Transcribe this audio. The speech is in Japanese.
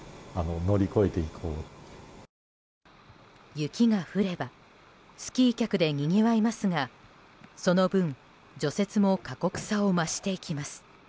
雪が降ればスキー客でにぎわいますがその分除雪も過酷さを増していきます。